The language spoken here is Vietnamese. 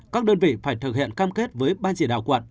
các đơn vị phải thực hiện cam kết với ban chỉ đạo quận